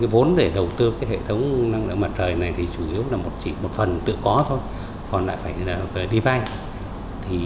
vốn để đầu tư hệ thống năng lượng mặt trời này chủ yếu là một phần tự có thôi còn lại phải đi vai